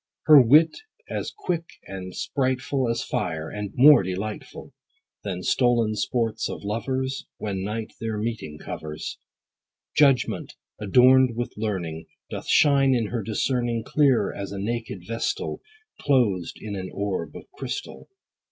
Her wit as quick and sprightful As fire, and more delightful Than the stolen sports of lovers, When night their meeting covers. Judgment, adorn'd with learning, Doth shine in her discerning, Clear as a naked vestal Closed in an orb of crystal.